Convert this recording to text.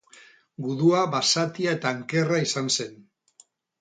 Gudua basatia eta ankerra izan zen.